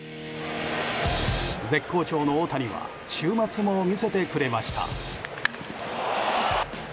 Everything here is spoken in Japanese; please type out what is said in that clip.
絶好調の大谷は週末も魅せてくれました。